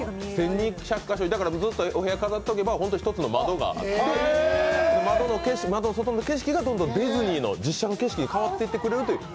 ずっとお部屋に飾っておけば一つの窓があって、窓の外の景色がどんどんディズニーの実写の景色に変わっていってくれるという。